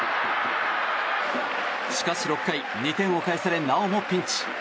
しかし６回、２点を返されなおもピンチ。